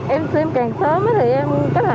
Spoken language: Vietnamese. em tiêm càng sớm thì em cách hải ra càng đồng lần